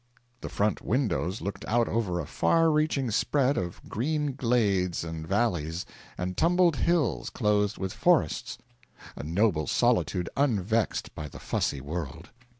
The front windows looked out over a far reaching spread of green glades and valleys, and tumbled hills clothed with forests a noble solitude unvexed by the fussy world.